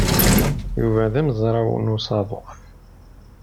Yuba d amezraw n usaḍuf.